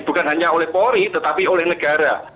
bukan hanya oleh polri tetapi oleh negara